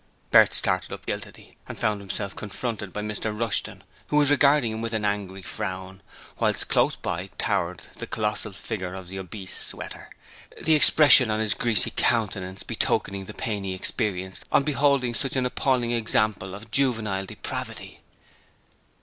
Bert started up guiltily, and found himself confronted by Mr Rushton, who was regarding him with an angry frown, whilst close by towered the colossal figure of the obese Sweater, the expression on his greasy countenance betokening the pain he experienced on beholding such as appalling example of juvenile depravity.